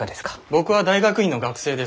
僕は大学院の学生です。